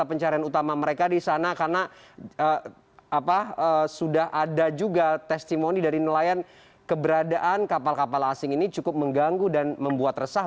pencarian utama mereka di sana karena sudah ada juga testimoni dari nelayan keberadaan kapal kapal asing ini cukup mengganggu dan membuat resah